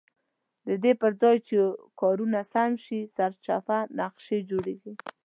ددې پرځای چې کارونه سم شي سرچپه نقشې جوړېږي.